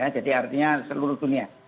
jadi artinya seluruh dunia